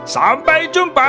sampai jumpa sampai jumpa besok